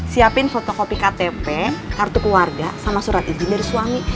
siapin fotokopi ktp kartu keluarga sama surat izin dari suami